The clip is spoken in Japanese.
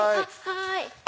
はい。